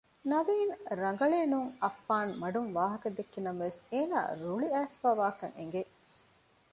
ނަވީން ރަނގަޅޭނުން އައްފާން މަޑުން ވާހަކަ ދެއްކި ނަމަވެސް އޭނާ ރުޅި އައިސްފައިވާކަން އެނގެ